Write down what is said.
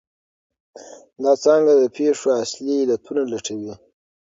دا څانګه د پېښو اصلي علتونه لټوي.